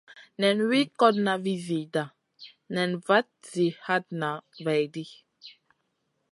Nen wi kotna vi zida nen vat zi hatna vaidi.